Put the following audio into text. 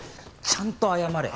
ちゃんと謝れ！